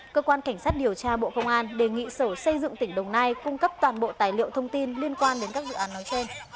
cơ quan cảnh sát điều tra bộ công an đề nghị sở xây dựng tỉnh đồng nai cung cấp toàn bộ tài liệu thông tin liên quan đến các dự án nói trên